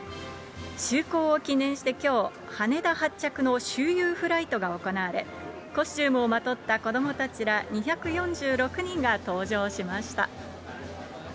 就航を記念してきょう、羽田発着の周遊フライトが行われ、コスチュームをまとった子どもたちら２４６人が搭乗しました。